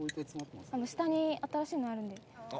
下に新しいのあるので。